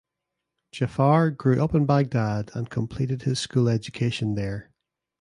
Jafar grew up in Baghdad and completed his school education there.